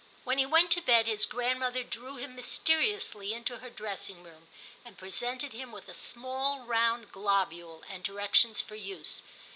When he went to bed his grandmother drew him mysteriously into her dressing room, and presented him with a small round globule, and directions for use.